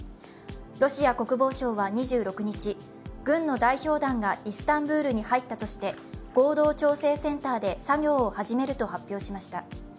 ロシア国防省は２６日、軍の代表団がイスタンブールに入ったとして合同調整センターで作業を始めると発表しました。